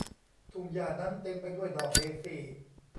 ทุ่งหญ้านั้นเต็มไปด้วยดอกเดซี่